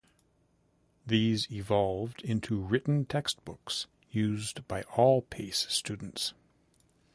These evolved into written textbooks used by all Pace students.